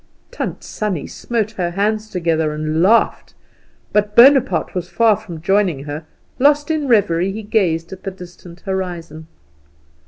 Tant Sannie smote her hands together and laughed; but Bonaparte was far from joining her. Lost in reverie, he gazed at the distant horizon.